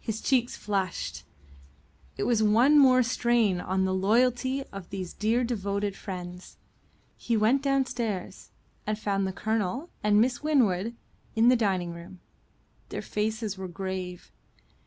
His cheeks flushed; it was one more strain on the loyalty of these dear devoted friends. He went downstairs, and found the Colonel and Miss Winwood in the dining room. Their faces were grave.